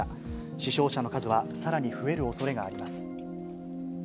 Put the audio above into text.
死傷者の数はさらに増えるおそれがあります。